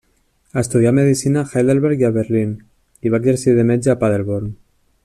Estudià medicina a Heidelberg i a Berlín, i va exercir de metge a Paderborn.